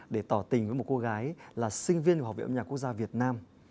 để tỏ tình với một cô gái là sinh viên của học viện âm nhạc quốc gia việt nam